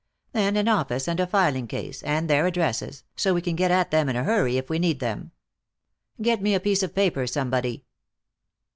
Then an office and a filing case, and their addresses, so we can get at them in a hurry if we need them. Get me a piece of paper, somebody."